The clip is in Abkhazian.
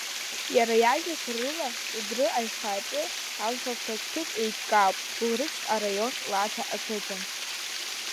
Иара иажәақәа рыла, Кәыдры аиҩхааҿы алхырҭатә ҭыԥ еиҿкаауп Гәылрыԥшь араион Лаҭа ақыҭан.